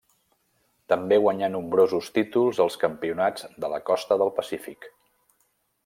També guanyà nombrosos títols als Campionats de la Costa del Pacífic.